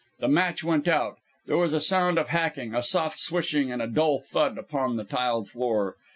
The match went out. There was a sound of hacking, a soft swishing, and a dull thud upon the tiled floor.